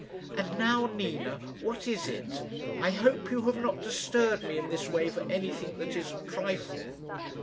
"And now, Nina, what is it? I hope you have not disturbed me in this way for anything that is a trifle."